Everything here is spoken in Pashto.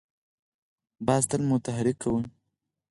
باز تل متحرک وي